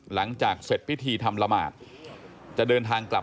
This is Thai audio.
หลังจากเสร็จพิธีทำลมาจอาจจะเดินทางกลับบ้าน